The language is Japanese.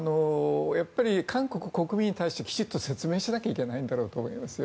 韓国国民に対してきちんと説明しなければいけないんだと思います。